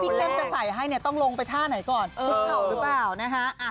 พี่เข้มจะใส่ให้ต้องลงไปท่าไหนก่อนลุกเข่าหรือเปล่า